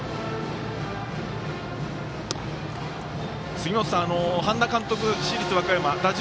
杉本さん、半田監督、市立和歌山打順